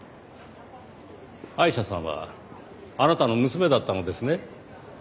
アイシャさんはあなたの娘だったのですね。